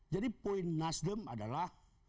jadi poin nasdem adalah